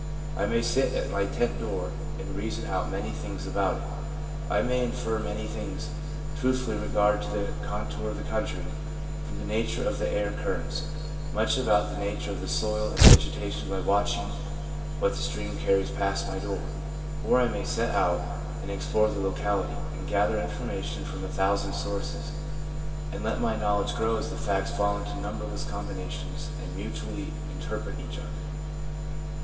I may sit at my tent door and reason out many things about it. I may infer many things truthfully in regard to the contour of the country from the nature of the air currents, much about the nature of the soil and vegeta tion by watching what the stream carries past my door. Or I may set out and explore the locality, and gather information from a thousand sources, and let my know ledge grow as the facts fall into numberless combina tions and mutually interpret each other.